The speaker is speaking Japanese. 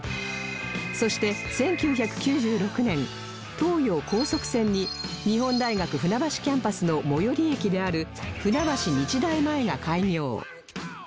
そして１９９６年東葉高速線に日本大学船橋キャンパスの最寄り駅である船橋日大前が開業